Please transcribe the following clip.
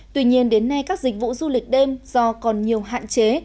tuy nhiên đến nay các dịch vụ du lịch đêm do còn nhiều hạn chế